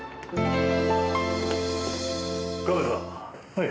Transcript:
はい。